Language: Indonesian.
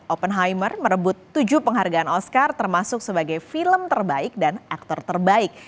open hoymer merebut tujuh penghargaan oscar termasuk sebagai film terbaik dan aktor terbaik